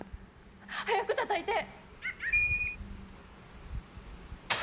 早く、たたいて！